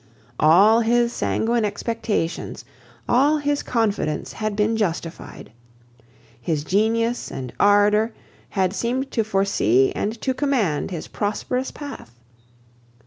All his sanguine expectations, all his confidence had been justified. His genius and ardour had seemed to foresee and to command his prosperous path.